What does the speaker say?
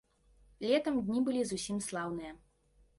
Летам дні былі зусім слаўныя.